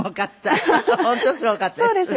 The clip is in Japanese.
本当すごかったです。